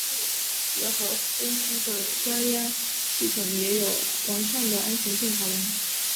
协和飞机的加压系统也有完善的安全性考量。